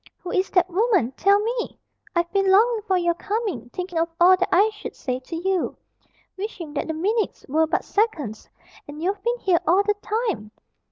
"Who is that woman? Tell me! I've been longing for your coming, thinking of all that I should say to you, wishing that the minutes were but seconds and you've been here all the time!